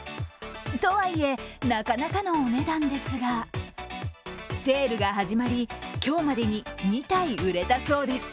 とはいえ、なかなかのお値段ですがセールが始まり、今日までに２体、売れたそうです。